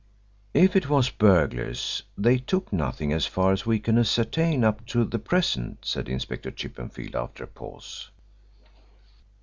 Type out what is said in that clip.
"If it was burglars they took nothing as far as we can ascertain up to the present," said Inspector Chippenfield after a pause.